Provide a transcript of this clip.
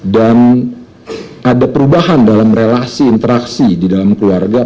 dan ada perubahan dalam relasi interaksi di dalam keluarga